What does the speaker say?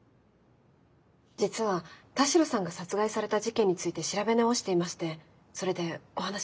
実は田代さんが殺害された事件について調べ直していましてそれでお話を。